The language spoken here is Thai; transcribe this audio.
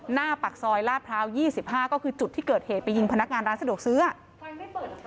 หน้าปากซอยลาดพร้าว๒๕ก็คือจุดที่เกิดเหตุไปยิงพนักงานร้านสะดวกซื้ออ่ะ